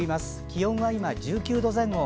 気温は今１９度前後。